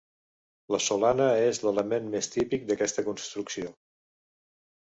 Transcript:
La solana és l'element més típic d'aquesta construcció.